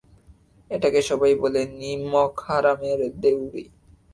এটাকে সবাই বলে নিমকহারামের দেউড়ি।